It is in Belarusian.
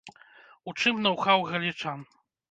У чым ноў-хаў галічан?